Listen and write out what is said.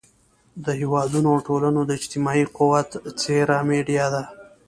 د هېوادونو او ټولنو د اجتماعي قوت څېره میډیا ده.